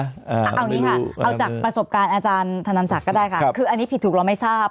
เอาจากประสบการณ์อาจารย์ธนันสักก็ได้ค่ะคืออันนี้ผิดถูกเราไม่ทราบ